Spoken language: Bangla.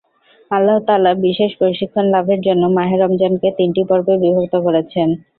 আল্লাহ তাআলা বিশেষ প্রশিক্ষণ লাভের জন্য মাহে রমজানকে তিনটি পর্বে বিভক্ত করেছেন।